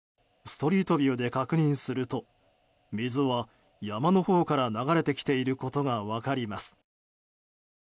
ストリートビューで確認すると水は、山のほうから流れてきていることが分かります。